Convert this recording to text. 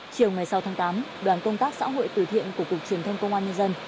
chiều ngày sáu tháng tám đoàn công tác xã hội tử thiện của cục truyền thông công an nhân dân